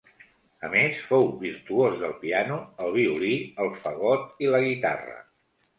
A més fou, virtuós del piano, el violí el fagot i la guitarra.